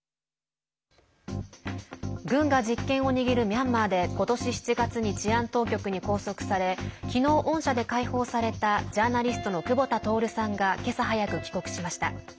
軍が実権を握るミャンマーで今年７月に治安当局に拘束され昨日、恩赦で解放されたジャーナリストの久保田徹さんが今朝早く帰国しました。